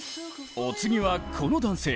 お次はこの男性。